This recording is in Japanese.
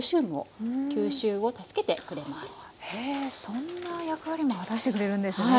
そんな役割も果たしてくれるんですね。